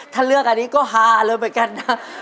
ถ้าเลือกอันนี้ก็ฮาเลยเหมือนกันนะ